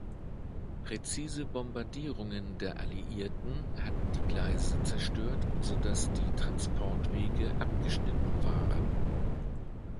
Präzise Bombardierungen der Alliierten hatten die Gleise zerstört, sodass die Transportwege abgeschnitten waren.